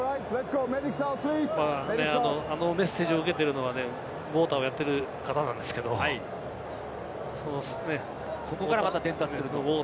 あのメッセージを受けているのはウォーターをやっている方なんでそこからまた伝達をすると。